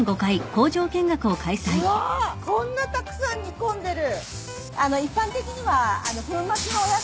うわこんなたくさん煮込んでる。